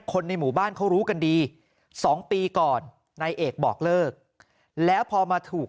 คนในหมู่บ้านเขารู้กันดี๒ปีก่อนนายเอกบอกเลิกแล้วพอมาถูก